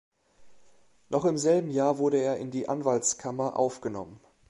Noch im selben Jahr wurde er in die Anwaltskammer aufgenommen.